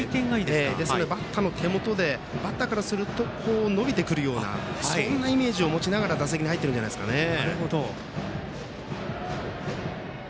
ですので、バッターの手元でバッターからすると伸びてくるようなそんなイメージを持ちながら打席に入っているんじゃないですかね。